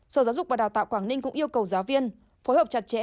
sở giáo dục và đào tạo quảng ninh cũng yêu cầu giáo viên phối hợp chặt chẽ